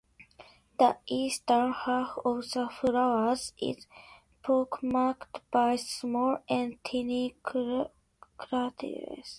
The eastern half of the floor is pock-marked by small and tiny craterlets.